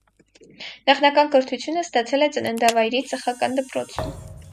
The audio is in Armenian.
Նախնական կրթությունը ստացել է ծննդավայրի ծխական դպրոցում։